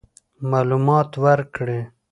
معلومات ورکړي.